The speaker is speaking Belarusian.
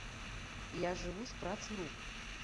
Я жыву з працы рук.